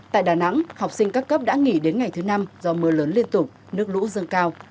tại đà nẵng học sinh các cấp đã nghỉ đến ngày thứ năm do mưa lớn liên tục nước lũ dâng cao